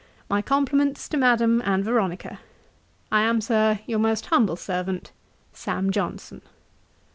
My compliments to Madam and Veronica. 'I am, Sir, 'Your most humble servant, 'SAM. JOHNSON.'